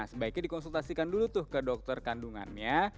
nah sebaiknya dikonsultasikan dulu ke dokter kandungannya